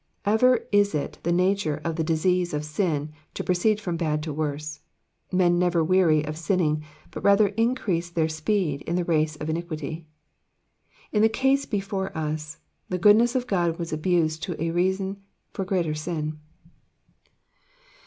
Ever is it the nature of the disease of sin to proceed from bad to worse ; men never weary of sinning, but rather increase their speed in the race of iniquity. In the case before us the goodness of God was abused into a reason for greater sin.